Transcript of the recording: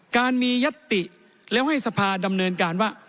การมียัตติแล้วให้สภาดำเนินการว่า